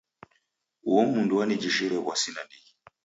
Uo mndu wanijishire w'asi nandighi.